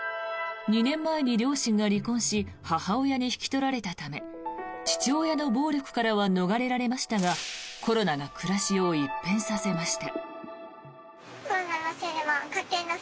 ２年前に両親が離婚し母親に引き取られたため父親の暴力からは逃れられましたがコロナが暮らしを一変させました。